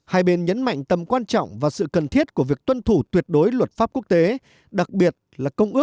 hai mươi tám hai bên nhấn mạnh tầm quan trọng và sự hợp tác